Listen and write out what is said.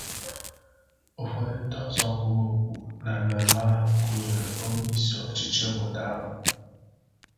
Ụfọdụ ndị ọzọ kwuru okwu na mmemme ahụ gụnyèrè onyeisi ọchịchị obodo ahụ